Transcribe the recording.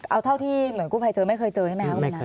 เอาเท่าที่หน่วยกู้ภัยเจอไม่เคยเจอใช่ไหมครับคุณชนะ